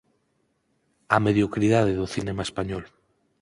Á mediocridade do cinema español.